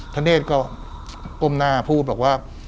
ธเนธก็กลมหน้าพูดว่า